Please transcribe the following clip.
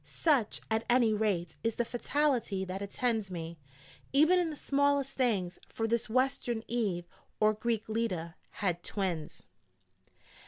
Such, at any rate, is the fatality that attends me, even in the smallest things: for this Western Eve, or Greek Leda, had twins.